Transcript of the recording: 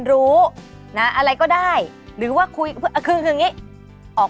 ใช่ดาวไม่ค่อยเคลื่อนจริงนะคะ